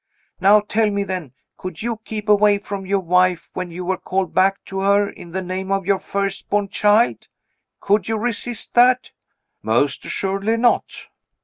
Now, tell me, then. Could you keep away from your wife, when you were called back to her in the name of your firstborn child? Could you resist that?" "Most assuredly not!"